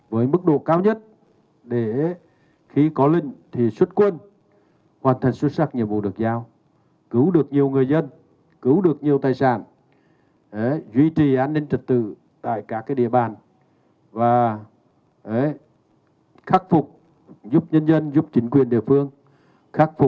và yêu cầu lực lượng cảnh sát cơ động phải luôn sẵn sàng mọi phương tiện hạn chế thiệt hại